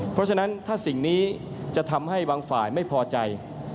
เพราะฉะนั้นถ้าสิ่งนี้จะทำให้บางฝ่ายไม่พอใจ